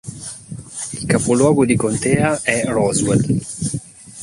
Il capoluogo di contea è Roswell.